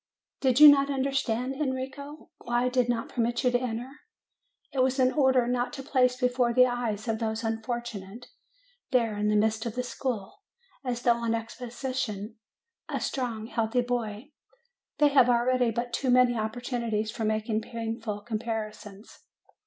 Did you not understand, Enrico, why I did not permit you to enter? It was in order not to place before the eyes of those unfortunates, there in the midst of the school, as though on exhibition, a strong, healthy boy: they have already but too many opportunities for making painful comparisons.